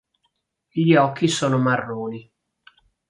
Gli occhi sono marroni.